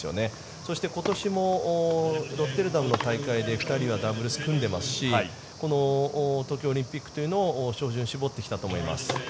そして、今年もロッテルダムの大会で２人はダブルスを組んでいますし東京オリンピックというのを照準を絞ってきたと思います。